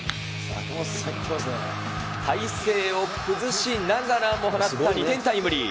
体勢を崩しながらも放った２点タイムリー。